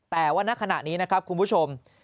แต่ว่าณขณะนี้นะครับคุณผู้ชม